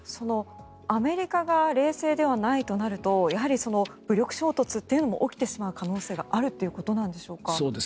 アメリカが冷静でないとなるとやはり武力衝突というのも起きてしまう可能性があるということなのでしょうか？